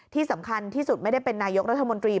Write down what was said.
ที่สำคัญที่สุดไม่ได้เป็นนายกรัฐมนตรี